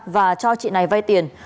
và cho chị này vay tiền